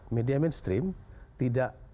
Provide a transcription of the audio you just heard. media mainstream tidak